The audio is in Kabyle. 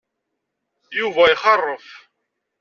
Yuba ixeṛṛef.